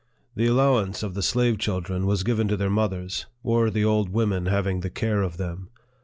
The allowance of the slave children was given to their mothers, or the old women having the care of them.